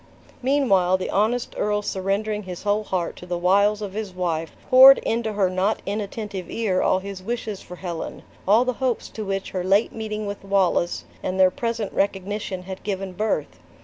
Meanwhile, the honest earl surrendering his whole heart to the wiles of his wife, poured into her not inattentive ear all his wishes for Helen: all the hopes to which her late meeting with Wallace, and their present recognition, had given birth.